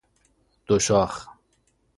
دو شاخ